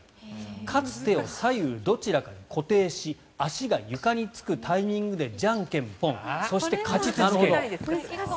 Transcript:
勝つ手を左右どちらかに固定し足が床につくタイミングでじゃんけんポンそして、勝ち続ける。